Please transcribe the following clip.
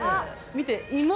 見て。